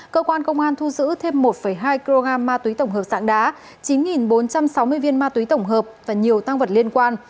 cơ quan công an thu giữ thêm một hai kg ma túy tổng hợp sạng đá chín bốn trăm sáu mươi viên ma túy tổng hợp và nhiều tăng vật liên quan